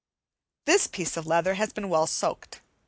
This piece of leather has been well soaked.